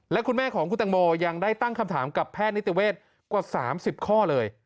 และคุณแม่ของคุณตังโมยังได้ตั้งคำถามกับแพทย์นิติเวศกว่า๓๐ข้อเลย